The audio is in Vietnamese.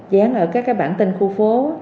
dán ở các cái bản tin khu phố